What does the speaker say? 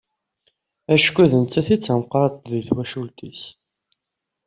Acku d nettat i d tameqqrant deg twacult-is.